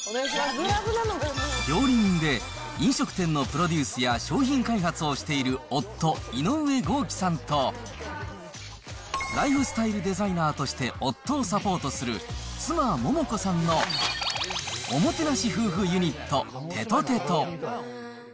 料理人で飲食店のプロデュースや商品開発をしている夫、井上豪希さんと、ライフスタイルデザイナーとして夫をサポートする妻、桃子さんのおもてなし夫婦ユニット、てとてと。